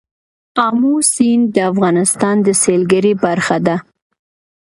آمو سیند د افغانستان د سیلګرۍ برخه ده.